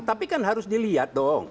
tapi kan harus dilihat dong